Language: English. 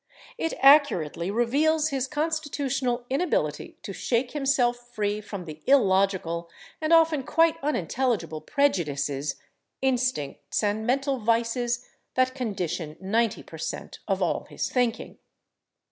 It accurately reveals his constitutional inability to shake himself free from the illogical and often quite unintelligible prejudices, instincts and mental vices that condition ninety per cent. of all his thinking....